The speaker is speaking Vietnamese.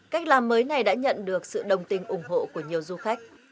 cách làm mới này đã nhận được sự đồng tình ủng hộ của nhiều du khách